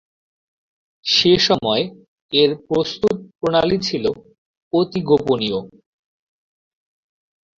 সেসময় এর প্রস্তুত প্রণালী ছিল অতি গোপনীয়।